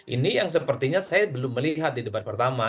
ini yang sepertinya saya belum melihat di debat pertama